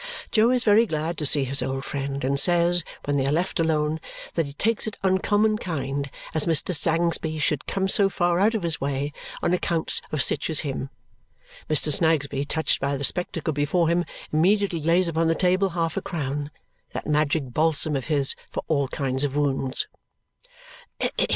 Jo is very glad to see his old friend and says, when they are left alone, that he takes it uncommon kind as Mr. Sangsby should come so far out of his way on accounts of sich as him. Mr. Snagsby, touched by the spectacle before him, immediately lays upon the table half a crown, that magic balsam of his for all kinds of wounds.